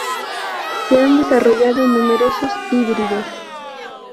Se han desarrollado numerosos híbridos.